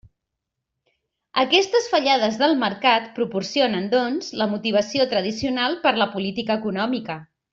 Aquestes fallades del mercat proporcionen, doncs, la motivació tradicional per a la política econòmica.